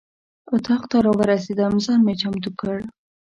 اتاق ته راورسېدم ځان مې چمتو کړ.